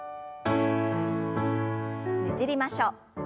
ねじりましょう。